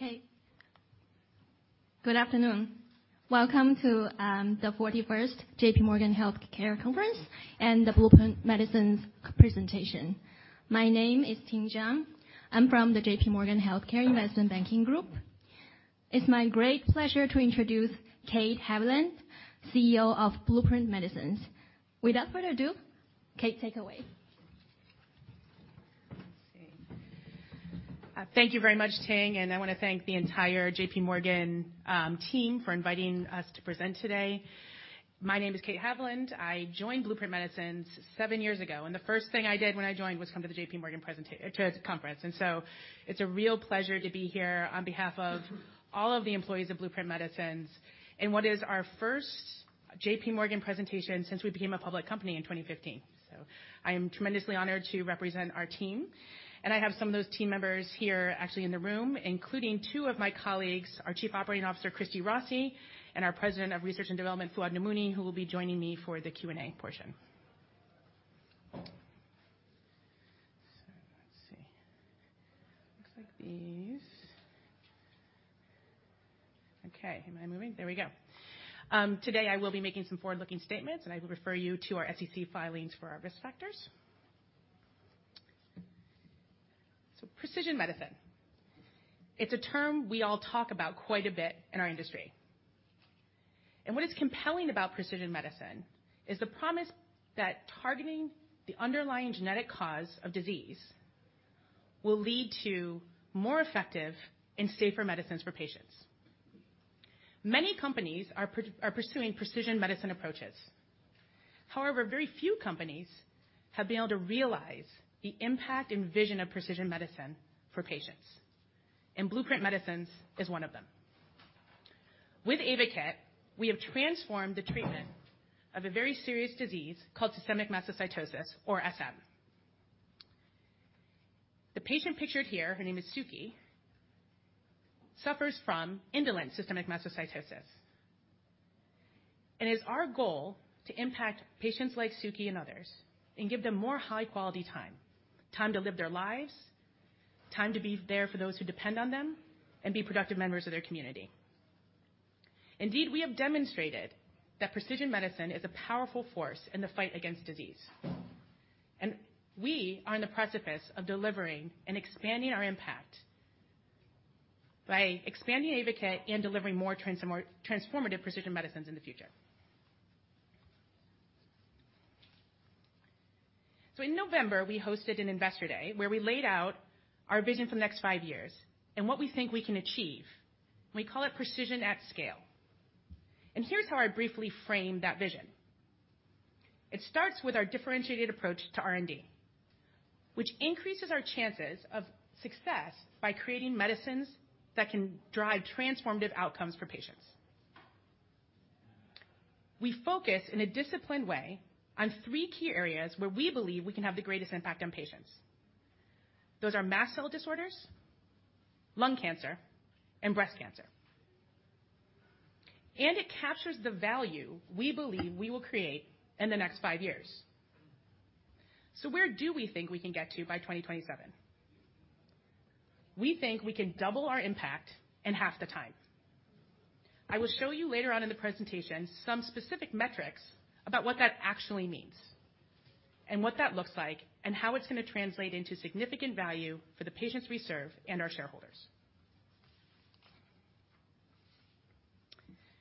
Okay. Good afternoon. Welcome to the 41st JPMorgan Healthcare Conference and the Blueprint Medicines presentation. My name is Ting Zhang. I'm from the JPMorgan Healthcare Investment Banking Group. It's my great pleasure to introduce Kate Haviland, CEO of Blueprint Medicines. Without further ado, Kate, take it away. Let's see. Thank you very much, Ting, and I wanna thank the entire JPMorgan team for inviting us to present today. My name is Kate Haviland. I joined Blueprint Medicines seven years ago, and the first thing I did when I joined was come to the JPMorgan conference. It's a real pleasure to be here on behalf of all of the employees of Blueprint Medicines in what is our first JPMorgan presentation since we became a public company in 2015. I am tremendously honored to represent our team, and I have some of those team members here actually in the room, including two of my colleagues, our Chief Operating Officer, Christy Rossi, and our President of Research and Development, Fouad Namouni, who will be joining me for the Q&A portion. Let's see. Looks like these. Okay, am I moving? There we go. Today I will be making some forward-looking statements, and I will refer you to our SEC filings for our risk factors. Precision medicine, it's a term we all talk about quite a bit in our industry. What is compelling about precision medicine is the promise that targeting the underlying genetic cause of disease will lead to more effective and safer medicines for patients. Many companies are pursuing precision medicine approaches. However, very few companies have been able to realize the impact and vision of precision medicine for patients. Blueprint Medicines is one of them. With AYVAKIT, we have transformed the treatment of a very serious disease called systemic mastocytosis, or SM. The patient pictured here, her name is Suky, suffers from indolent systemic mastocytosis. It is our goal to impact patients like Suky and others and give them more high-quality time. Time to live their lives, time to be there for those who depend on them and be productive members of their community. Indeed, we have demonstrated that precision medicine is a powerful force in the fight against disease. We are on the precipice of delivering and expanding our impact by expanding AYVAKIT and delivering more transformative precision medicines in the future. In November, we hosted an investor day where we laid out our vision for the next five years and what we think we can achieve. We call it Precision at Scale. Here's how I briefly frame that vision. It starts with our differentiated approach to R&D, which increases our chances of success by creating medicines that can drive transformative outcomes for patients. We focus in a disciplined way on three key areas where we believe we can have the greatest impact on patients. Those are mast cell disorders, lung cancer, and breast cancer. It captures the value we believe we will create in the next five years. Where do we think we can get to by 2027? We think we can double our impact in half the time. I will show you later on in the presentation some specific metrics about what that actually means and what that looks like, and how it's going to translate into significant value for the patients we serve and our shareholders.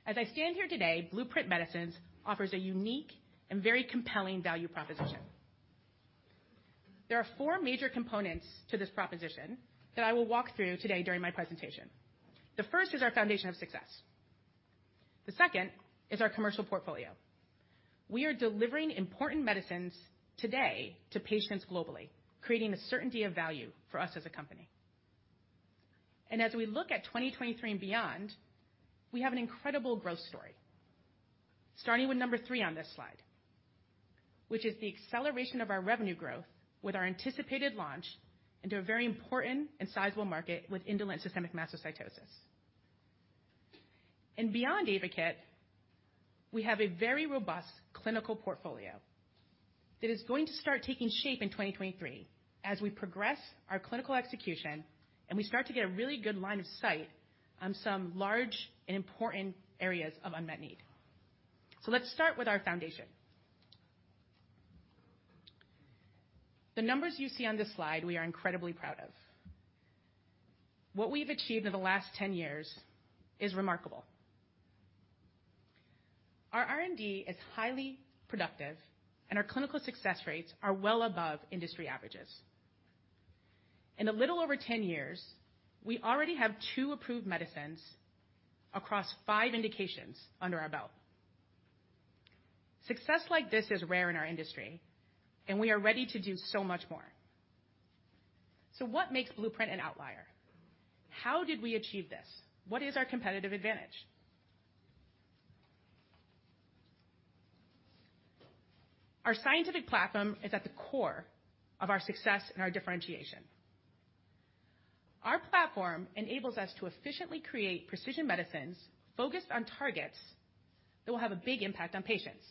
As I stand here today, Blueprint Medicines offers a unique and very compelling value proposition. There are four major components to this proposition that I will walk through today during my presentation. The first is our foundation of success. The second is our commercial portfolio. We are delivering important medicines today to patients globally, creating a certainty of value for us as a company. As we look at 2023 and beyond, we have an incredible growth story. Starting with number three on this slide, which is the acceleration of our revenue growth with our anticipated launch into a very important and sizable market with indolent systemic mastocytosis. Beyond AYVAKIT, we have a very robust clinical portfolio that is going to start taking shape in 2023 as we progress our clinical execution, and we start to get a really good line of sight on some large and important areas of unmet need. Let's start with our foundation. The numbers you see on this slide, we are incredibly proud of. What we've achieved over the last 10 years is remarkable. Our R&D is highly productive, and our clinical success rates are well above industry averages. In a little over 10 years, we already have two approved medicines across five indications under our belt. Success like this is rare in our industry, and we are ready to do so much more. What makes Blueprint an outlier? How did we achieve this? What is our competitive advantage? Our scientific platform is at the core of our success and our differentiation. Our platform enables us to efficiently create precision medicines focused on targets that will have a big impact on patients.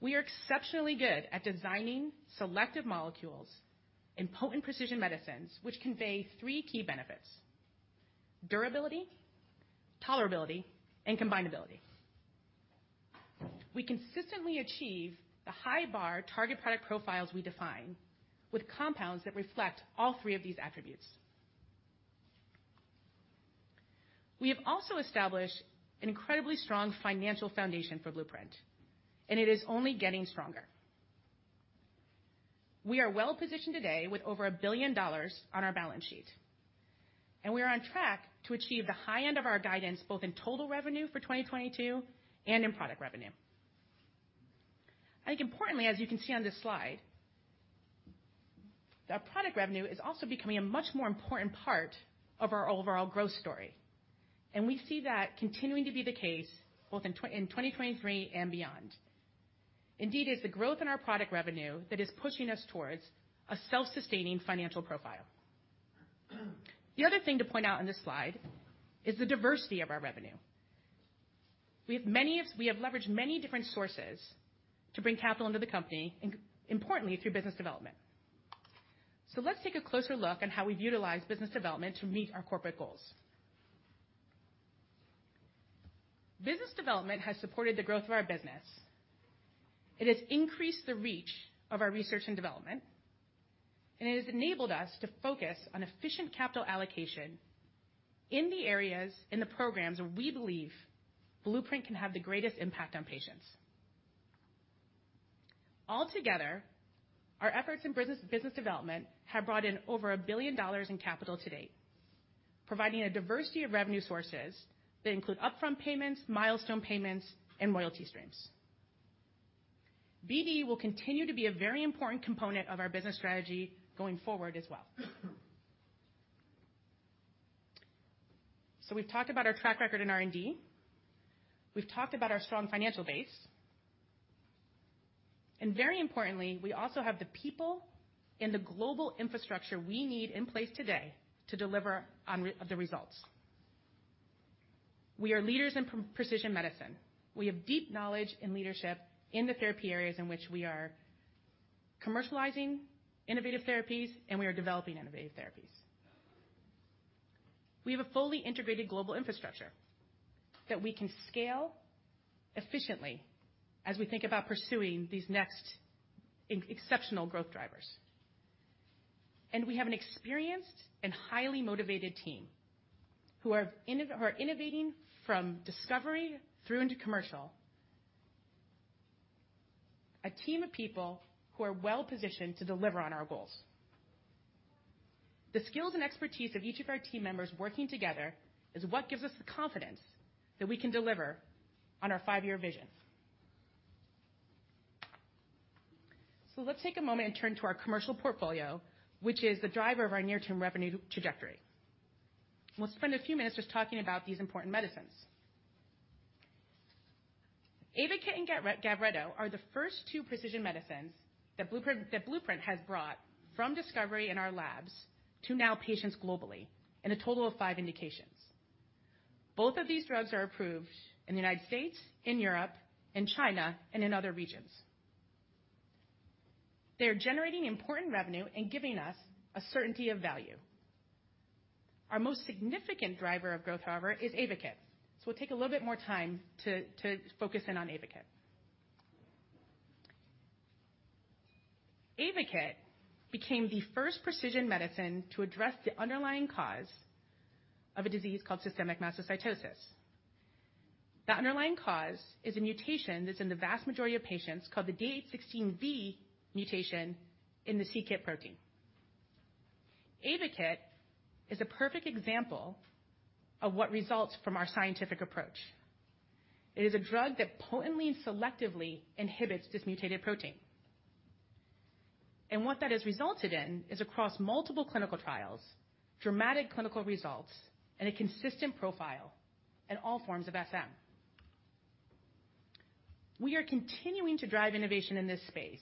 We are exceptionally good at designing selective molecules and potent precision medicines, which convey three key benefits: durability, tolerability, and combinability. We consistently achieve the high bar target product profiles we define with compounds that reflect all three of these attributes. We have also established an incredibly strong financial foundation for Blueprint, and it is only getting stronger. We are well-positioned today with over $1 billion on our balance sheet, and we are on track to achieve the high end of our guidance, both in total revenue for 2022 and in product revenue. I think importantly, as you can see on this slide, our product revenue is also becoming a much more important part of our overall growth story, and we see that continuing to be the case both in 2023 and beyond. Indeed, it's the growth in our product revenue that is pushing us towards a self-sustaining financial profile. The other thing to point out in this slide is the diversity of our revenue. We have leveraged many different sources to bring capital into the company, importantly through business development. Let's take a closer look on how we've utilized business development to meet our corporate goals. Business development has supported the growth of our business. It has increased the reach of our research and development, and it has enabled us to focus on efficient capital allocation in the areas, in the programs where we believe Blueprint can have the greatest impact on patients. Altogether, our efforts in business development have brought in over $1 billion in capital to date, providing a diversity of revenue sources that include upfront payments, milestone payments, and loyalty streams. BD will continue to be a very important component of our business strategy going forward as well. We've talked about our track record in R&D. We've talked about our strong financial base. Very importantly, we also have the people and the global infrastructure we need in place today to deliver on the results. We are leaders in precision medicine. We have deep knowledge in leadership in the therapy areas in which we are commercializing innovative therapies, and we are developing innovative therapies. We have a fully integrated global infrastructure that we can scale efficiently as we think about pursuing these next exceptional growth drivers. We have an experienced and highly motivated team who are innovating from discovery through into commercial. A team of people who are well-positioned to deliver on our goals. The skills and expertise of each of our team members working together is what gives us the confidence that we can deliver on our five-year vision. Let's take a moment and turn to our commercial portfolio, which is the driver of our near-term revenue trajectory. Let's spend a few minutes just talking about these important medicines. AYVAKIT and GAVRETO are the first two precision medicines that Blueprint has brought from discovery in our labs to now patients globally in a total of five indications. Both of these drugs are approved in the United States, in Europe, in China, and in other regions. They're generating important revenue and giving us a certainty of value. Our most significant driver of growth, however, is AYVAKIT. We'll take a little bit more time to focus in on AYVAKIT. AYVAKIT became the first precision medicine to address the underlying cause of a disease called systemic mastocytosis. That underlying cause is a mutation that's in the vast majority of patients called the D816V mutation in the c-kit protein. AYVAKIT is a perfect example of what results from our scientific approach. It is a drug that potently and selectively inhibits this mutated protein. What that has resulted in is across multiple clinical trials, dramatic clinical results, and a consistent profile in all forms of SM. We are continuing to drive innovation in this space.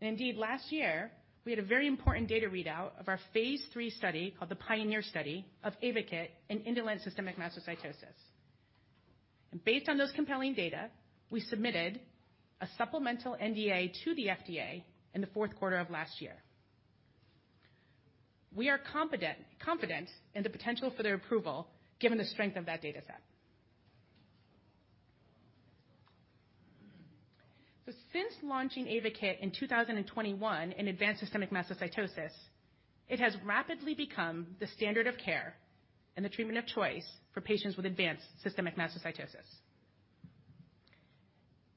Indeed, last year, we had a very important data readout of our phase three study called the PIONEER study of AYVAKIT in indolent systemic mastocytosis. Based on those compelling data, we submitted a supplemental NDA to the FDA in the fourth quarter of last year. We are confident in the potential for their approval given the strength of that data set. Since launching AYVAKIT in 2021 in advanced systemic mastocytosis, it has rapidly become the standard of care and the treatment of choice for patients with advanced systemic mastocytosis.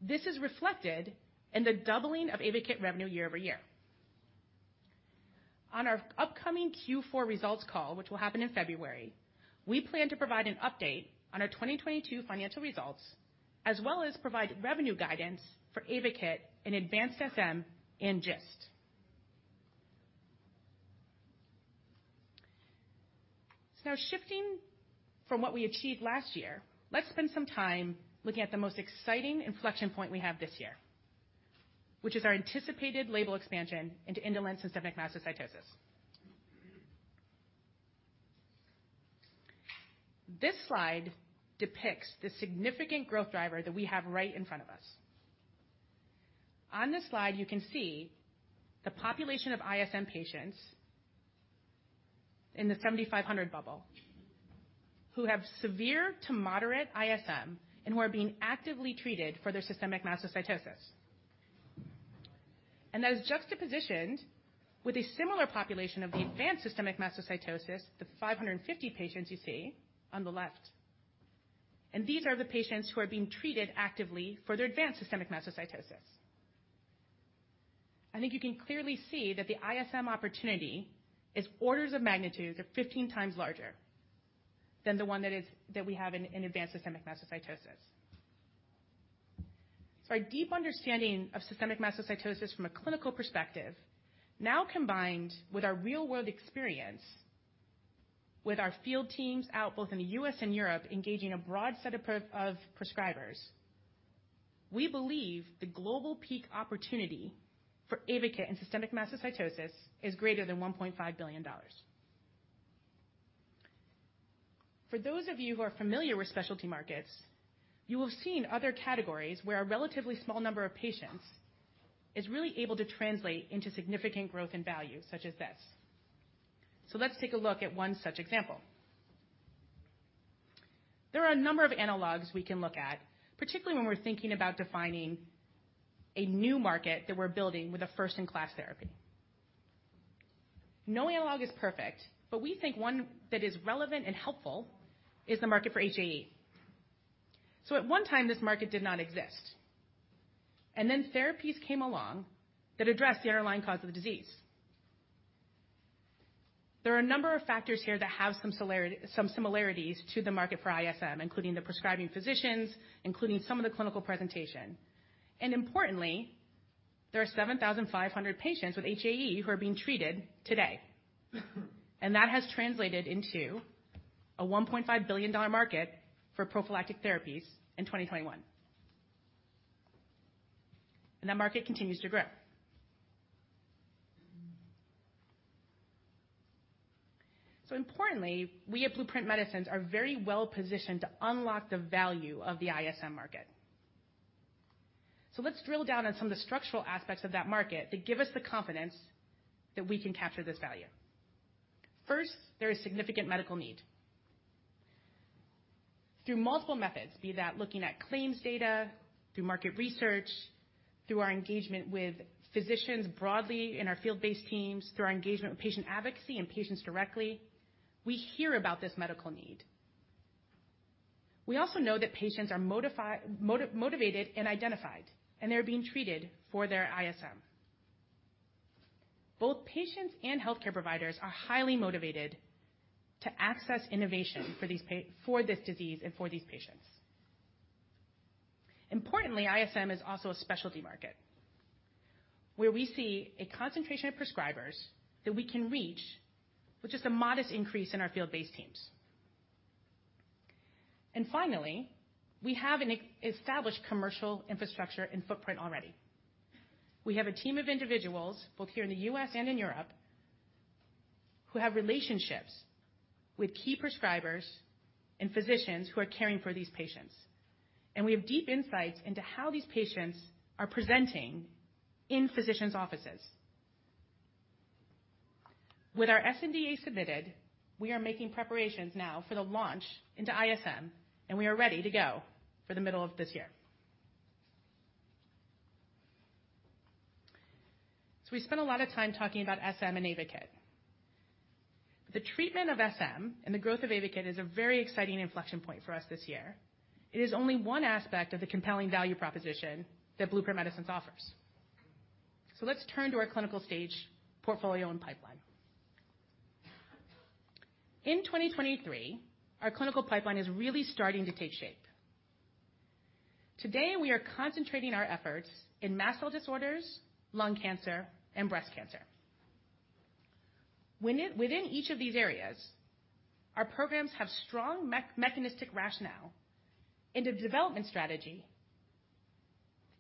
This is reflected in the doubling of AYVAKIT revenue year-over-year. On our upcoming Q4 results call, which will happen in February, we plan to provide an update on our 2022 financial results, as well as provide revenue guidance for AYVAKIT in advanced SM and GIST. Now shifting from what we achieved last year, let's spend some time looking at the most exciting inflection point we have this year, which is our anticipated label expansion into indolent systemic mastocytosis. This slide depicts the significant growth driver that we have right in front of us. On this slide, you can see the population of ISM patients in the 7,500 bubble, who have severe to moderate ISM and who are being actively treated for their systemic mastocytosis. That is juxtapositioned with a similar population of the advanced systemic mastocytosis, the 550 patients you see on the left. These are the patients who are being treated actively for their advanced systemic mastocytosis. I think you can clearly see that the ISM opportunity is orders of magnitude or 15 times larger than the one that we have in advanced systemic mastocytosis. Our deep understanding of systemic mastocytosis from a clinical perspective, now combined with our real-world experience with our field teams out both in the U.S. and Europe, engaging a broad set of prescribers, we believe the global peak opportunity for AYVAKIT in systemic mastocytosis is greater than $1.5 billion. For those of you who are familiar with specialty markets, you will have seen other categories where a relatively small number of patients is really able to translate into significant growth in value, such as this. Let's take a look at one such example. There are a number of analogs we can look at, particularly when we're thinking about defining a new market that we're building with a first-in-class therapy. No analog is perfect, but we think one that is relevant and helpful is the market for HAE. At one time, this market did not exist, and then therapies came along that addressed the underlying cause of the disease. There are a number of factors here that have some similarities to the market for ISM, including the prescribing physicians, including some of the clinical presentation. Importantly, there are 7,500 patients with HAE who are being treated today. That has translated into a $1.5 billion market for prophylactic therapies in 2021. That market continues to grow. Importantly, we at Blueprint Medicines are very well-positioned to unlock the value of the ISM market. Let's drill down on some of the structural aspects of that market that give us the confidence that we can capture this value. First, there is significant medical need. Through multiple methods, be that looking at claims data, through market research, through our engagement with physicians broadly in our field-based teams, through our engagement with patient advocacy and patients directly, we hear about this medical need. We also know that patients are motivated and identified, and they are being treated for their ISM. Both patients and healthcare providers are highly motivated to access innovation for this disease and for these patients. Importantly, ISM is also a specialty market, where we see a concentration of prescribers that we can reach, with just a modest increase in our field-based teams. Finally, we have an established commercial infrastructure and footprint already. We have a team of individuals, both here in the U.S. and in Europe, who have relationships with key prescribers and physicians who are caring for these patients. We have deep insights into how these patients are presenting in physicians' offices. With our SNDA submitted, we are making preparations now for the launch into ISM. We are ready to go for the middle of this year. We spent a lot of time talking about SM and AYVAKIT. The treatment of SM and the growth of AYVAKIT is a very exciting inflection point for us this year. It is only one aspect of the compelling value proposition that Blueprint Medicines offers. Let's turn to our clinical stage portfolio and pipeline. In 2023, our clinical pipeline is really starting to take shape. Today, we are concentrating our efforts in mast cell disorders, lung cancer, and breast cancer. Within each of these areas, our programs have strong mechanistic rationale and a development strategy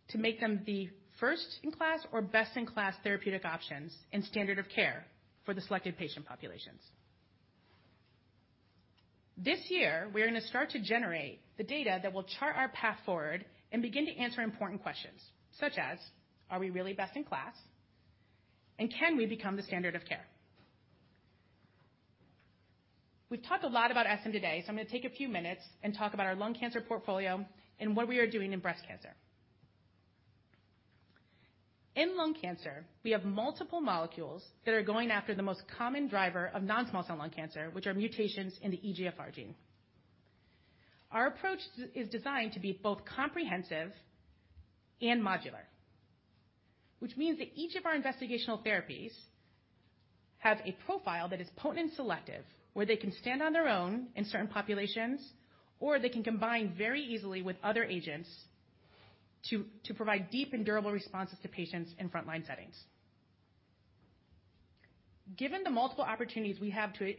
to make them the first-in-class or best-in-class therapeutic options and standard of care for the selected patient populations. This year, we are gonna start to generate the data that will chart our path forward and begin to answer important questions, such as: Are we really best in class, and can we become the standard of care? We've talked a lot about SM today. I'm gonna take a few minutes and talk about our lung cancer portfolio and what we are doing in breast cancer. In lung cancer, we have multiple molecules that are going after the most common driver of non-small cell lung cancer, which are mutations in the EGFR gene. Our approach is designed to be both comprehensive and modular. Which means that each of our investigational therapies have a profile that is potent and selective, where they can stand on their own in certain populations, or they can combine very easily with other agents to provide deep and durable responses to patients in frontline settings. Given the multiple opportunities we have to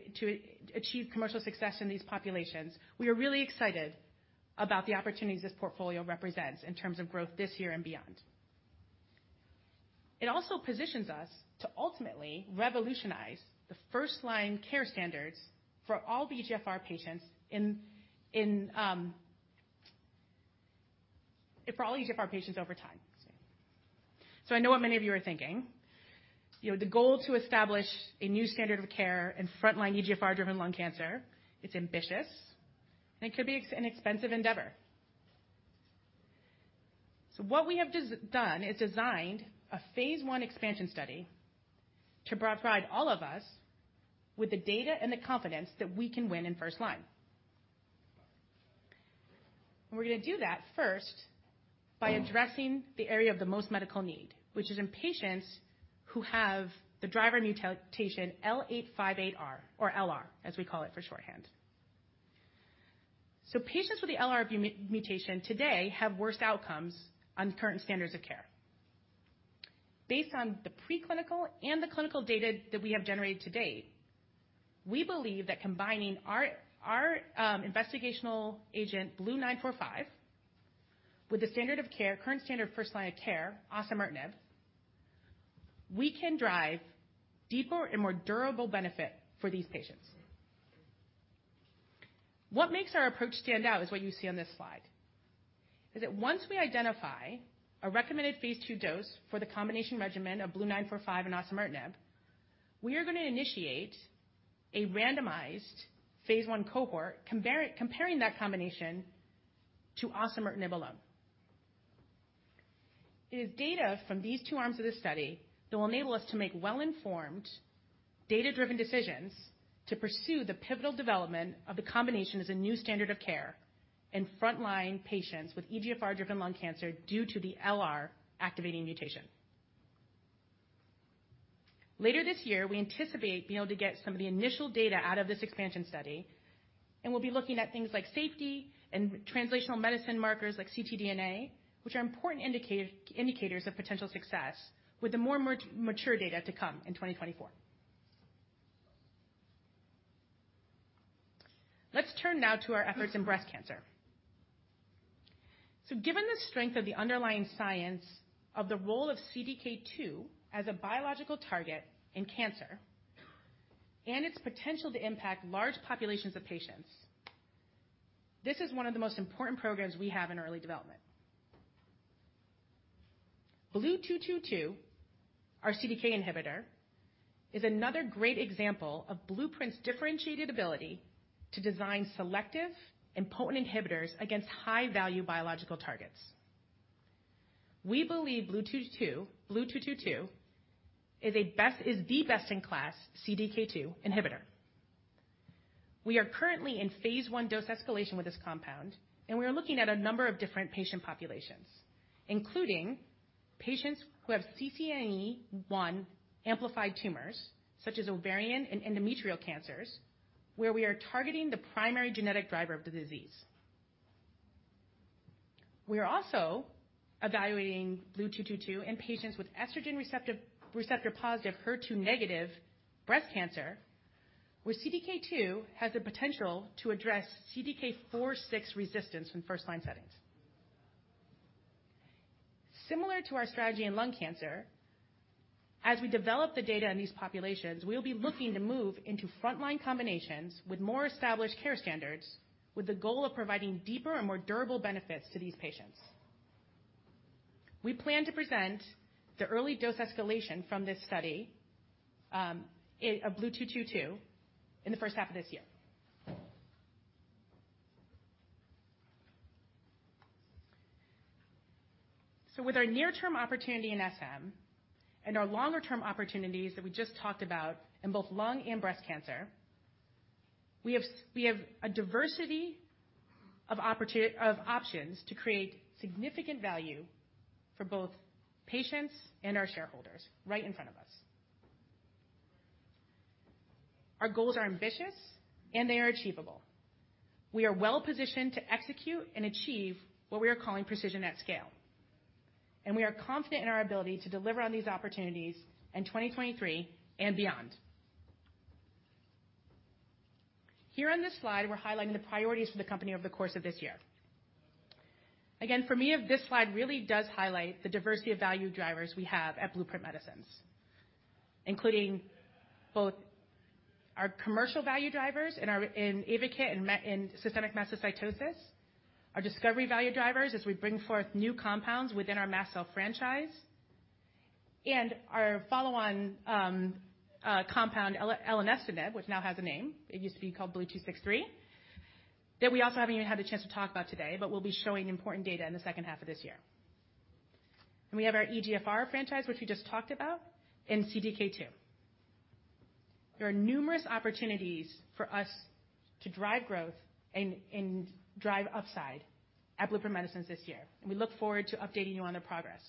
achieve commercial success in these populations, we are really excited about the opportunities this portfolio represents in terms of growth this year and beyond. It also positions us to ultimately revolutionize the first line care standards for all EGFR patients over time. I know what many of you are thinking. You know, the goal to establish a new standard of care in frontline EGFR-driven lung cancer, it's ambitious, and it could be an expensive endeavor. what we have done is designed a phase one expansion study to provide all of us with the data and the confidence that we can win in first line. We're gonna do that first by addressing the area of the most medical need, which is in patients who have the driver mutation L858R or LR, as we call it for shorthand. patients with the LR mutation today have worse outcomes on current standards of care. Based on the preclinical and the clinical data that we have generated to date, we believe that combining our investigational agent, BLU-945, with the standard of care, current standard first line of care, osimertinib, we can drive deeper and more durable benefit for these patients. What makes our approach stand out is what you see on this slide, is that once we identify a recommended phase two dose for the combination regimen of BLU-945 and osimertinib, we are gonna initiate a randomized phase one cohort comparing that combination to osimertinib alone. It is data from these two arms of the study that will enable us to make well-informed, data-driven decisions to pursue the pivotal development of the combination as a new standard of care in frontline patients with EGFR-driven lung cancer due to the LR activating mutation. Later this year, we anticipate being able to get some of the initial data out of this expansion study, we'll be looking at things like safety and translational medicine markers like ctDNA, which are important indicators of potential success, with the more mature data to come in 2024. Let's turn now to our efforts in breast cancer. Given the strength of the underlying science of the role of CDK2 as a biological target in cancer and its potential to impact large populations of patients, this is one of the most important programs we have in early development. BLU-222, our CDK inhibitor, is another great example of Blueprint's differentiated ability to design selective and potent inhibitors against high-value biological targets. We believe BLU-222 is the best-in-class CDK2 inhibitor. We are currently in phase 1 dose escalation with this compound, and we are looking at a number of different patient populations, including patients who have CCNE1 amplified tumors such as ovarian and endometrial cancers, where we are targeting the primary genetic driver of the disease. We are also evaluating BLU-222 in patients with estrogen receptor-positive HER2-negative breast cancer, where CDK2 has the potential to address CDK4/6 resistance in first-line settings. Similar to our strategy in lung cancer, as we develop the data in these populations, we'll be looking to move into frontline combinations with more established care standards, with the goal of providing deeper and more durable benefits to these patients. We plan to present the early dose escalation from this study, of BLU-222 in the first half of this year. With our near-term opportunity in SM and our longer-term opportunities that we just talked about in both lung and breast cancer, we have a diversity of options to create significant value for both patients and our shareholders right in front of us. Our goals are ambitious, and they are achievable. We are well-positioned to execute and achieve what we are calling Precision at Scale, and we are confident in our ability to deliver on these opportunities in 2023 and beyond. Here on this slide, we're highlighting the priorities for the company over the course of this year. Again, for me, this slide really does highlight the diversity of value drivers we have at Blueprint Medicines, including both our commercial value drivers in our AYVAKIT in systemic mastocytosis, our discovery value drivers as we bring forth new compounds within our mast cell franchise, and our follow-on compound elenestinib, which now has a name. It used to be called BLU-263, that we also haven't even had the chance to talk about today, but we'll be showing important data in the second half of this year. We have our EGFR franchise, which we just talked about, and CDK2. There are numerous opportunities for us to drive growth and drive upside at Blueprint Medicines this year. We look forward to updating you on their progress.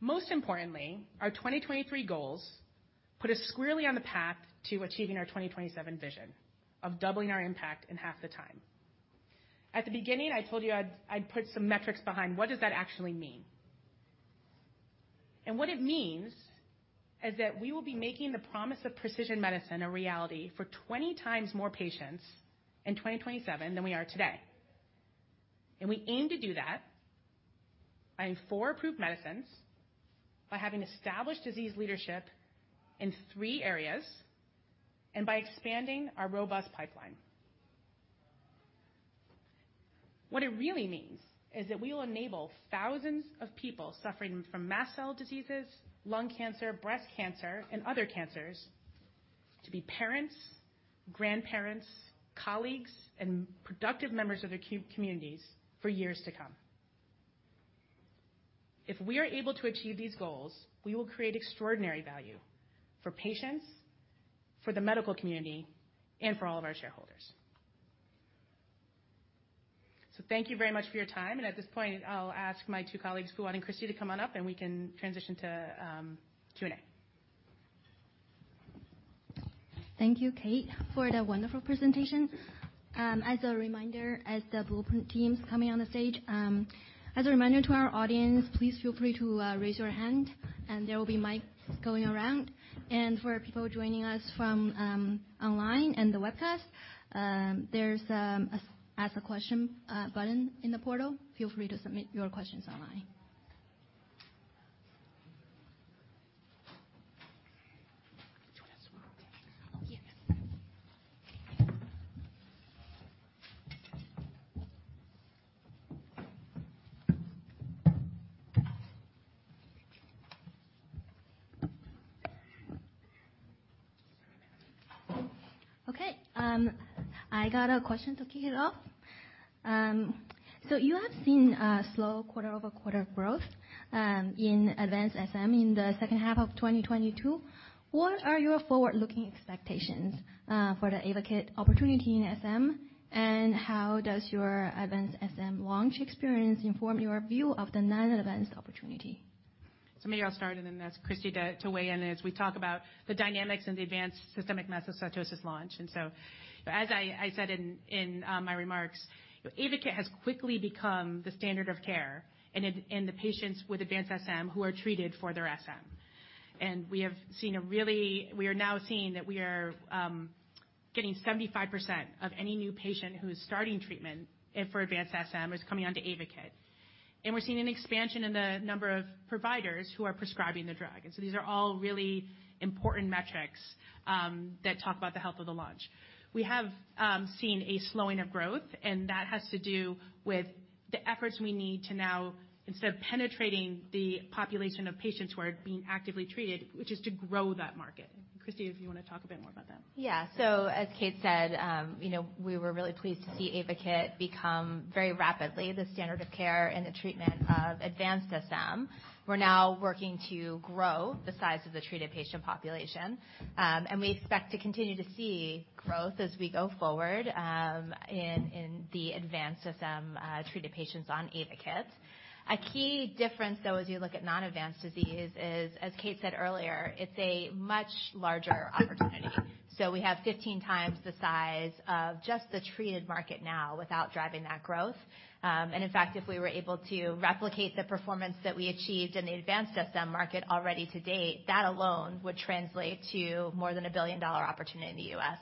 Most importantly, our 2023 goals put us squarely on the path to achieving our 2027 vision of doubling our impact in half the time. At the beginning, I told you I'd put some metrics behind what does that actually mean. What it means is that we will be making the promise of precision medicine a reality for 20x more patients in 2027 than we are today. We aim to do that by four approved medicines, by having established disease leadership in three areas, and by expanding our robust pipeline. What it really means is that we will enable thousands of people suffering from mast cell diseases, lung cancer, breast cancer, and other cancers to be parents, grandparents, colleagues, and productive members of their communities for years to come. If we are able to achieve these goals, we will create extraordinary value for patients, for the medical community, and for all of our shareholders. Thank you very much for your time. At this point, I'll ask my two colleagues, Fouad and Christie, to come on up, and we can transition to Q&A. Thank you, Kate, for the wonderful presentation. As a reminder, as the Blueprint team's coming on the stage, as a reminder to our audience, please feel free to raise your hand and there will be mics going around. For people joining us from online and the webcast, there's a Ask a Question button in the portal. Feel free to submit your questions online. Do you wanna swap? Yeah. Okay. I got a question to kick it off. You have seen a slow quarter-over-quarter growth in advanced SM in the second half of 2022. What are your forward-looking expectations for the AYVAKIT opportunity in SM? How does your advanced SM launch experience inform your view of the non-advanced opportunity? Maybe I'll start and then ask Christie to weigh in as we talk about the dynamics in the advanced systemic mastocytosis launch. As I said in my remarks, AYVAKIT has quickly become the standard of care in the patients with advanced SM who are treated for their SM. We are now seeing that we are getting 75% of any new patient who's starting treatment for advanced SM is coming on to AYVAKIT. We're seeing an expansion in the number of providers who are prescribing the drug. These are all really important metrics that talk about the health of the launch. We have seen a slowing of growth. That has to do with the efforts we need to now, instead of penetrating the population of patients who are being actively treated, which is to grow that market. Christie, if you wanna talk a bit more about that. Yeah so as Kate said, you know, we were really pleased to see AYVAKIT become very rapidly the standard of care in the treatment of advanced SM. We're now working to grow the size of the treated patient population, and we expect to continue to see growth as we go forward, in the advanced SM treated patients on AYVAKIT. A key difference, though, as you look at non-advanced disease is, as Kate said earlier, it's a much larger opportunity. We have 15x the size of just the treated market now without driving that growth. And in fact, if we were able to replicate the performance that we achieved in the advanced SM market already to date, that alone would translate to more than a billion-dollar opportunity in the U.S.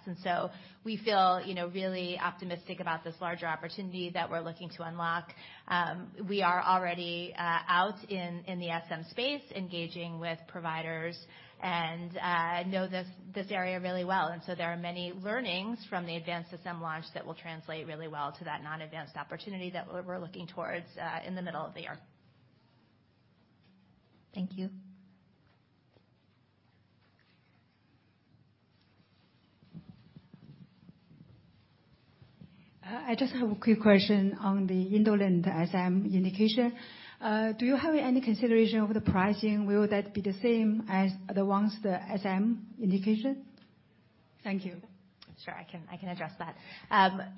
We feel, you know, really optimistic about this larger opportunity that we're looking to unlock. We are already out in the SM space, engaging with providers and know this area really well. There are many learnings from the advanced SM launch that will translate really well to that non-advanced opportunity that we're looking towards in the middle of the year. Thank you. I just have a quick question on the indolent SM indication. Do you have any consideration of the pricing? Will that be the same as the ones, the SM indication? Thank you. Sure. I can address that.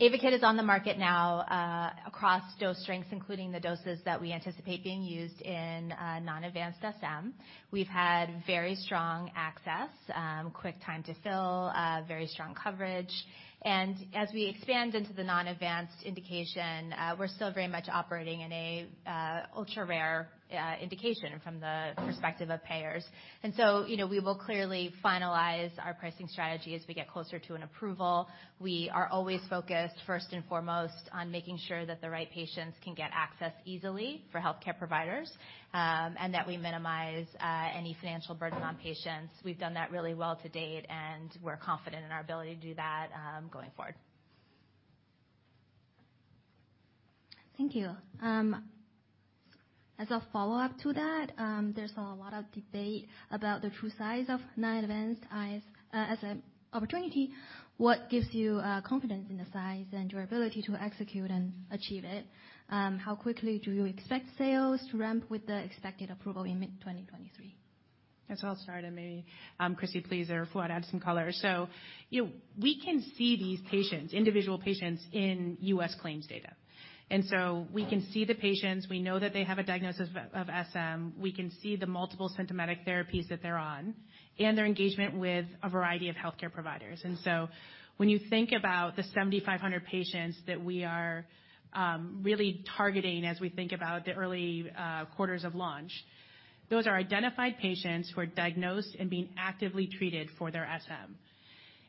AYVAKIT is on the market now across dose strengths, including the doses that we anticipate being used in non-advanced SM. We've had very strong access, quick time to fill, very strong coverage. As we expand into the non-advanced indication, we're still very much operating in a ultra-rare indication from the perspective of payers. You know, we will clearly finalize our pricing strategy as we get closer to an approval. We are always focused, first and foremost, on making sure that the right patients can get access easily for healthcare providers, and that we minimize any financial burden on patients. We've done that really well to date, and we're confident in our ability to do that going forward. Thank you. As a follow-up to that, there's a lot of debate about the true size of non-advanced IS-- as a opportunity. What gives you confidence in the size and your ability to execute and achieve it? How quickly do you expect sales to ramp with the expected approval in mid-2023? I'll start and maybe Christy Rossi, please therefore add some color. You know, we can see these patients, individual patients in U.S. claims data, we can see the patients. We know that they have a diagnosis of SM. We can see the multiple symptomatic therapies that they're on and their engagement with a variety of healthcare providers. When you think about the 7,500 patients that we are really targeting as we think about the early quarters of launch, those are identified patients who are diagnosed and being actively treated for their SM.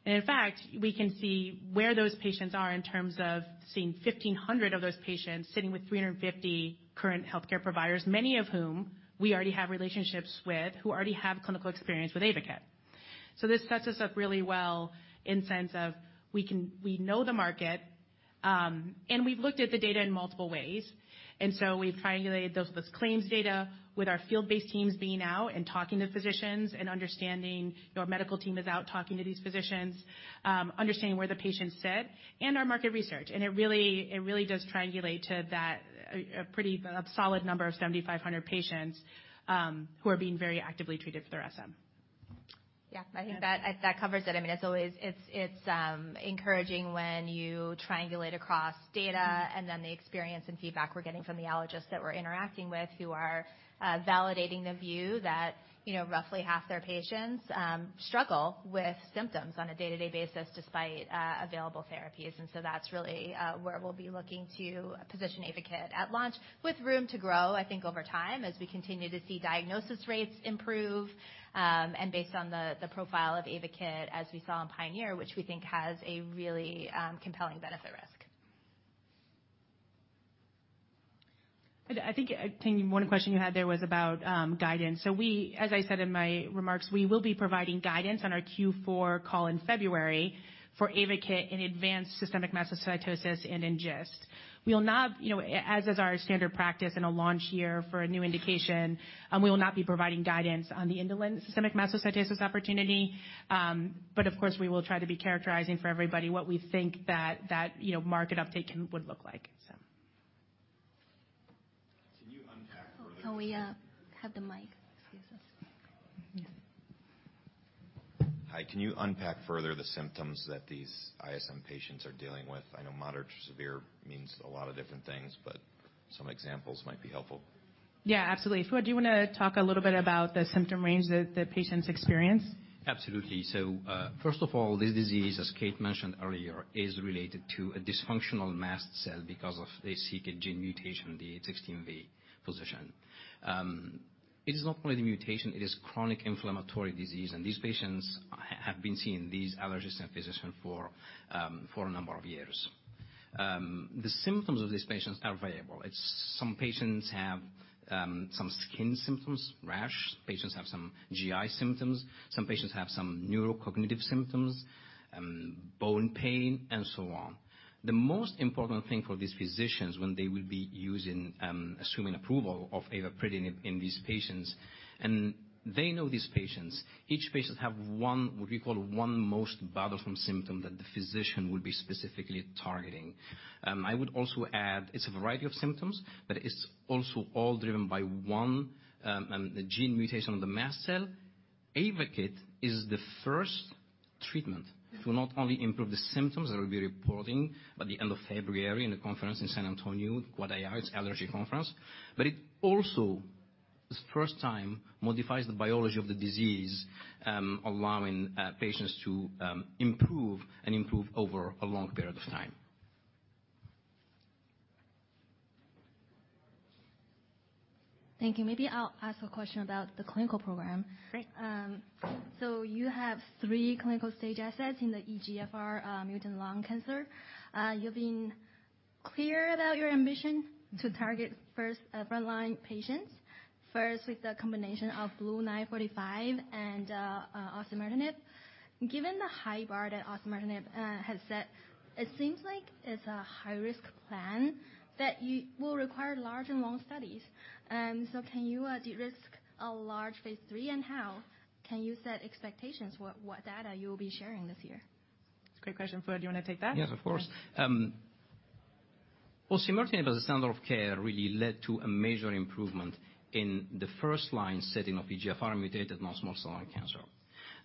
In fact, we can see where those patients are in terms of seeing 1,500 of those patients sitting with 350 current healthcare providers, many of whom we already have relationships with, who already have clinical experience with AYVAKIT. So this sets us up really well in sense of we can... We know the market, we've looked at the data in multiple ways. We've triangulated those claims data with our field-based teams being out and talking to physicians and understanding. Your medical team is out talking to these physicians, understanding where the patients sit and our market research. It really does triangulate to that a pretty solid number of 7,500 patients who are being very actively treated for their SM. Yeah, I think that covers it. I mean, as always, it's encouraging when you triangulate across data and then the experience and feedback we're getting from the allergists that we're interacting with who are validating the view that, you know, roughly half their patients struggle with symptoms on a day-to-day basis despite available therapies. That's really where we'll be looking to position AYVAKIT at launch with room to grow, I think, over time, as we continue to see diagnosis rates improve, and based on the profile of AYVAKIT as we saw in PIONEER, which we think has a really compelling benefit risk. I think one question you had there was about guidance. As I said in my remarks, we will be providing guidance on our Q4 call in February for AYVAKIT in advanced systemic mastocytosis and in GIST. We will not, you know, as is our standard practice in a launch year for a new indication, we will not be providing guidance on the indolent systemic mastocytosis opportunity. But of course, we will try to be characterizing for everybody what we think that, you know, market uptake would look like. Can you unpack- Can we, have the mic? Excuse us. Hi, can you unpack further the symptoms that these ISM patients are dealing with? I know moderate to severe means a lot of different things, but some examples might be helpful. Yeah, absolutely. Fouad, do you wanna talk a little bit about the symptom range that the patients experience? Absolutely. First of all, this disease, as Kate mentioned earlier, is related to a dysfunctional mast cell because of a KIT gene mutation, the D816V position. It is not only the mutation, it is chronic inflammatory disease, and these patients have been seeing these allergists and physicians for a number of years. The symptoms of these patients are variable. It's some patients have some skin symptoms, rash, patients have some GI symptoms, some patients have some neurocognitive symptoms, bone pain, and so on. The most important thing for these physicians when they will be using, assuming approval of avapritinib in these patients, and they know these patients. Each patient have one, what we call one most bothersome symptom that the physician will be specifically targeting. I would also add, it's a variety of symptoms, but it is also all driven by one and the gene mutation on the mast cell AYVAKIT is the first treatment to not only improve the symptoms that will be reporting at the end of February in the conference in San Antonio AAAAI Annual Meeting conference, but it also the first time modifies the biology of the disease, allowing patients to improve and improve over a long period of time. We are also evaluating BLU-222 in patients with estrogen receptor-positive HER2-negative breast. It also, it's the first time modifies the biology of the disease, allowing patients to improve and improve over a long period of time. Thank you. Maybe I'll ask a question about the clinical program. Great. You have three clinical stage assets in the EGFR mutant lung cancer. You've been clear about your ambition to target first frontline patients, first with the combination of BLU-945 and osimertinib. Given the high bar that osimertinib has set, it seems like it's a high-risk plan that you will require large and long studies. Can you de-risk a large phase three, and how can you set expectations for what data you'll be sharing this year? Great question. Fouad, do you wanna take that? Yes, of course. osimertinib as a standard of care really led to a major improvement in the first-line setting of EGFR mutated non-small cell lung cancer.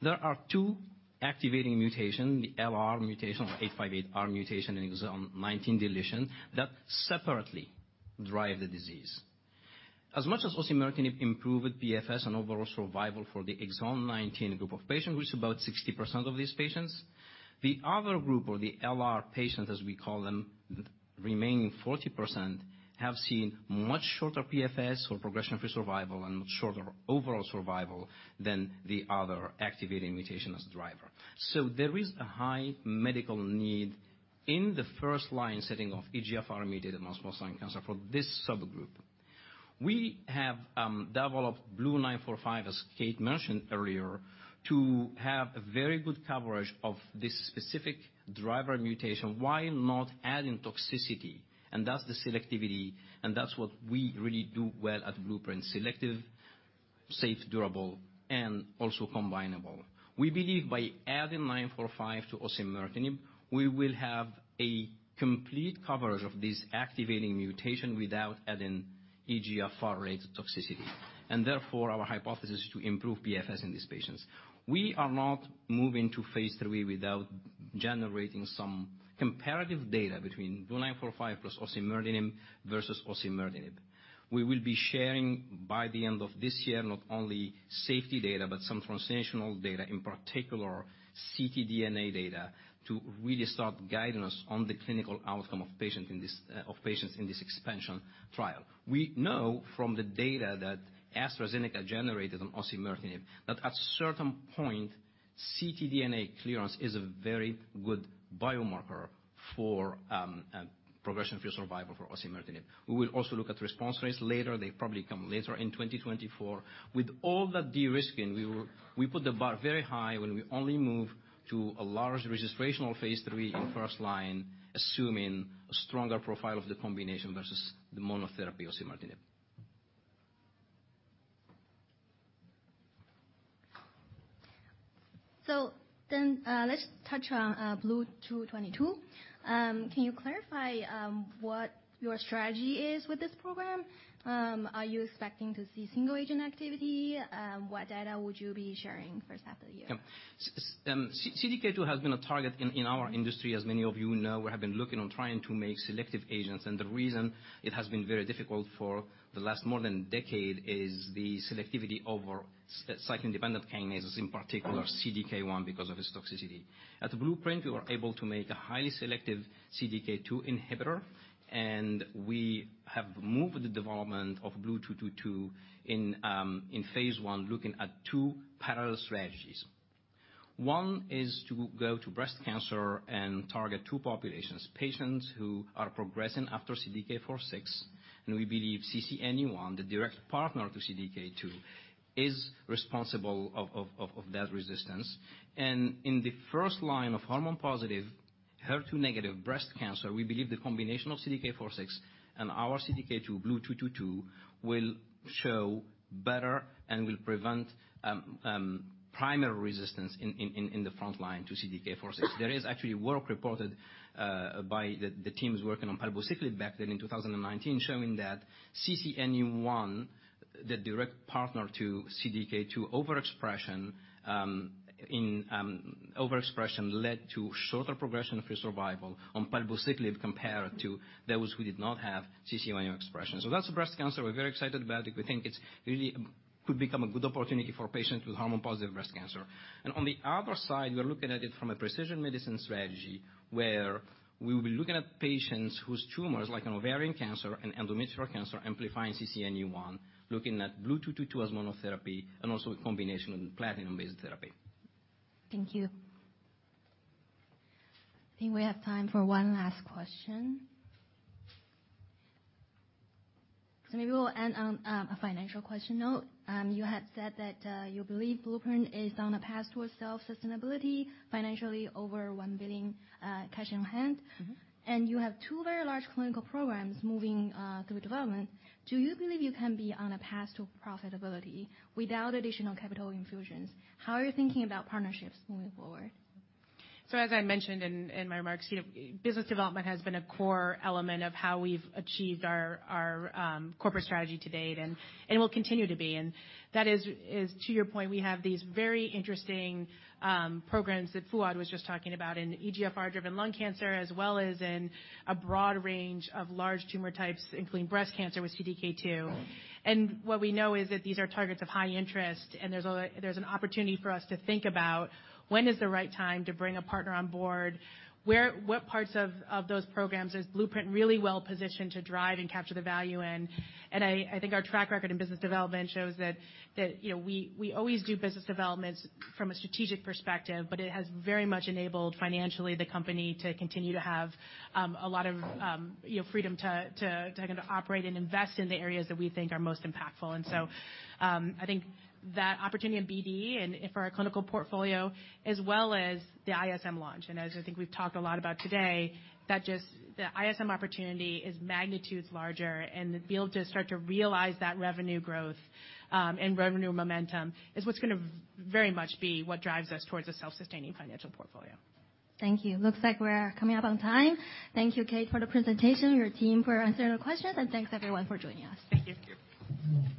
There are two activating mutation, the LR mutation or L858R mutation and exon 19 deletion, that separately drive the disease. As much as osimertinib improved PFS and overall survival for the exon 19 group of patients, which is about 60% of these patients, the other group or the LR patients, as we call them, the remaining 40%, have seen much shorter PFS or progression-free survival and much shorter overall survival than the other activating mutation as a driver. There is a high medical need in the first-line setting of EGFR mutated non-small cell cancer for this subgroup. We have developed BLU-945, as Kate mentioned earlier, to have a very good coverage of this specific driver mutation while not adding toxicity, and that's the selectivity, and that's what we really do well at Blueprint. Selective, safe, durable, and also combinable. We believe by adding 945 to osimertinib, we will have a complete coverage of this activating mutation without adding EGFR-related toxicity. Therefore, our hypothesis is to improve PFS in these patients. We are not moving to phase three without generating some comparative data between BLU-945 plus osimertinib versus osimertinib. We will be sharing, by the end of this year, not only safety data, but some translational data, in particular ctDNA data, to really start guiding us on the clinical outcome of patients in this expansion trial. We know from the data that AstraZeneca generated on osimertinib, that at certain point, ctDNA clearance is a very good biomarker for progression-free survival for osimertinib. We will also look at response rates later. They probably come later in 2024. With all that de-risking, we put the bar very high when we only move to a large registrational phase three in first line, assuming a stronger profile of the combination versus the monotherapy osimertinib. Let's touch on BLU-222. Can you clarify what your strategy is with this program? Are you expecting to see single agent activity? What data would you be sharing first half of the year? Yeah. CDK2 has been a target in our industry, as many of you know. The reason it has been very difficult for the last more than a decade is the selectivity over cyclin-dependent kinases, in particular CDK1 because of its toxicity. At Blueprint, we were able to make a highly selective CDK2 inhibitor. We have moved the development of BLU-222 in phase one, looking at two parallel strategies. One is to go to breast cancer and target two populations, patients who are progressing after CDK4/6. We believe CCNE1, the direct partner to CDK2, is responsible of that resistance. In the first line of hormone-positive, HER2-negative breast cancer, we believe the combination of CDK4/6 and our CDK2, BLU-222, will show better and will prevent primary resistance in the front line to CDK4/6. There is actually work reported by the teams working on palbociclib back then in 2019, showing that CCNE1, the direct partner to CDK2 overexpression, in overexpression led to shorter progression-free survival on palbociclib compared to those who did not have CCNE1 expression. That's breast cancer. We're very excited about it. We think it really could become a good opportunity for patients with hormone-positive breast cancer. On the other side, we are looking at it from a precision medicine strategy, where we will be looking at patients whose tumors, like in ovarian cancer and endometrial cancer, amplifying CCNE1, looking at BLU-222 as monotherapy and also in combination with platinum-based therapy. Thank you. I think we have time for one last question. Maybe we'll end on a financial question note. You had said that you believe Blueprint is on a path towards self-sustainability financially over $1 billion cash in hand. Mm-hmm. You have two very large clinical programs moving through development. Do you believe you can be on a path to profitability without additional capital infusions? How are you thinking about partnerships moving forward? As I mentioned in my remarks, you know, business development has been a core element of how we've achieved our corporate strategy to date and will continue to be. That is to your point, we have these very interesting programs that Fouad was just talking about in EGFR-driven lung cancer, as well as in a broad range of large tumor types, including breast cancer with CDK2. What we know is that these are targets of high interest, and there's an opportunity for us to think about when is the right time to bring a partner on board? What parts of those programs is Blueprint really well positioned to drive and capture the value in? I think our track record in business development shows that, you know, we always do business developments from a strategic perspective, but it has very much enabled, financially, the company to continue to have a lot of, you know, freedom to kind of operate and invest in the areas that we think are most impactful. I think that opportunity in BD and for our clinical portfolio, as well as the ISM launch. As I think we've talked a lot about today, that just the ISM opportunity is magnitudes larger, and the field to start to realize that revenue growth and revenue momentum is what's gonna very much be what drives us towards a self-sustaining financial portfolio. Thank you. Looks like we're coming up on time. Thank you, Kate, for the presentation, your team for answering the questions, and thanks everyone for joining us. Thank you. Thank you.